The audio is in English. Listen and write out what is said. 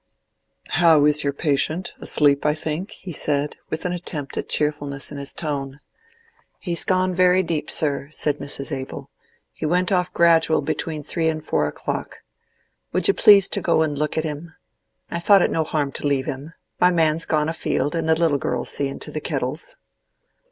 "How is your patient—asleep, I think?" he said, with an attempt at cheerfulness in his tone. "He's gone very deep, sir," said Mrs. Abel. "He went off gradual between three and four o'clock. Would you please to go and look at him? I thought it no harm to leave him. My man's gone afield, and the little girl's seeing to the kettles."